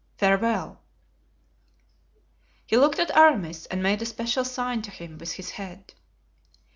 Farewell." He looked at Aramis and made a special sign to him with his head.